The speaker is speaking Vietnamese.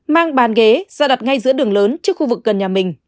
mang bàn ghế ra đặt ngay giữa đường lớn trước khu vực gần nhà mình